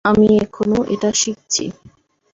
আমি এখনো এটা শিখছি।